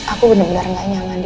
aku benar benar gak nyaman